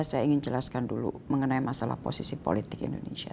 saya ingin jelaskan dulu mengenai masalah posisi politik indonesia